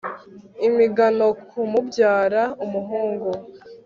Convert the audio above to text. imigano kumubyara umuhungu